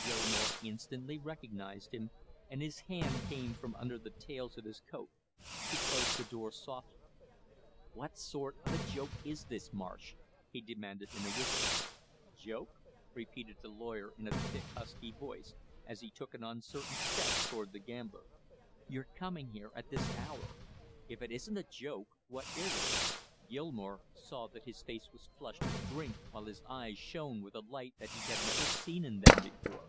Gilmore instantly recognized him, and his hand came from under the tails of his coat; he closed the door softly. "What sort of a joke is this, Marsh?" he demanded in a whisper. "Joke?" repeated the lawyer in a thick husky voice, as he took an uncertain step toward the gambler. "Your coming here at this hour; if it isn't a joke, what is it?" Gilmore saw that his face was flushed with drink while his eyes shone with a light he had never seen in them before.